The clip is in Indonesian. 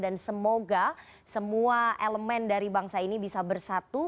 dan semoga semua elemen dari bangsa ini bisa bersatu